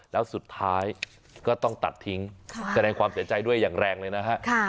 แล้วสุดท้ายก็ต้องตัดทิ้งแสดงความเสียใจด้วยอย่างแรงเลยนะฮะ